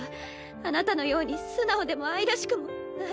あなたのように素直でも愛らしくもない。